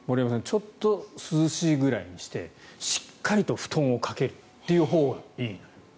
ちょっと涼しいぐらいにしてしっかりと布団をかけるというほうがいい。